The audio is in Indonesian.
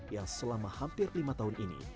yang selama hampir lima tahun ini